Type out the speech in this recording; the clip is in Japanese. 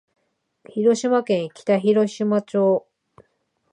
広島県北広島町